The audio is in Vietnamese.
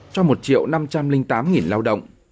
cho một triệu năm trăm linh tám nghìn lao động